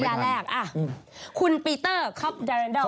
อันแรกคุณปีเตอร์คอปดาเรนดอล